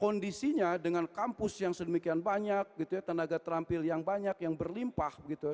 kondisinya dengan kampus yang sedemikian banyak tenaga terampil yang banyak yang berlimpah